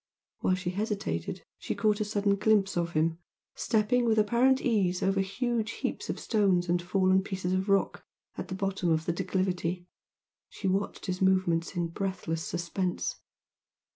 While she hesitated she caught a sudden glimpse of him, stepping with apparent ease over huge heaps of stones and fallen pieces of rock at the bottom of the declivity, she watched his movements in breathless suspense.